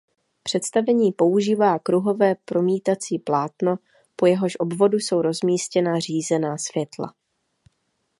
Představení používá kruhové promítací plátno po jehož obvodu jsou rozmístěna řízená světla.